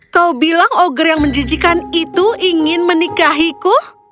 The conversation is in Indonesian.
kau bilang ogger yang menjijikan itu ingin menikahiku